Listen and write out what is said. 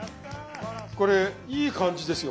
これいい感じですよ